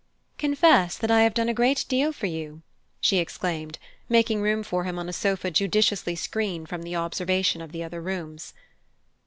"Confess that I have done a great deal for you!" she exclaimed, making room for him on a sofa judiciously screened from the observation of the other rooms.